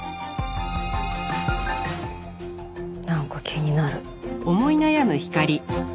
なんか気になる。